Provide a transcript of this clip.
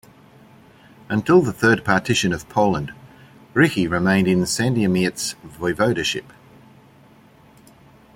Until the Third Partition of Poland, Ryki remained in Sandomierz Voivodeship.